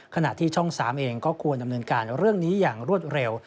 ขณะที่ช่อง๓เองก็ควรดำเนินการเรื่องนี้อย่างรวดเร็ว